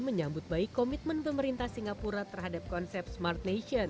menyambut baik komitmen pemerintah singapura terhadap konsep smart nation